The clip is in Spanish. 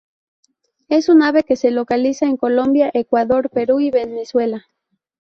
Es un ave que se localiza en Colombia, Ecuador, Perú y Venezuela.